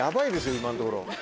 今のところ。